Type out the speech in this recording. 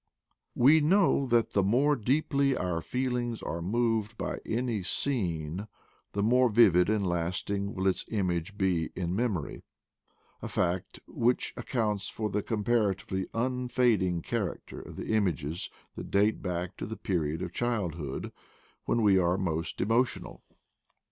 We know that the more deeply our feelings are moved by any scene the more vivid and lasting will its image be in memory — a fact which ac counts for the comparatively unfading character of the images that date back to the period of child hood, when we are most emotional.